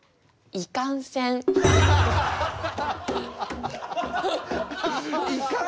「いかんせん」？